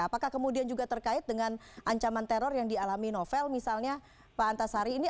apakah kemudian juga terkait dengan ancaman teror yang dialami novel misalnya pak antasari ini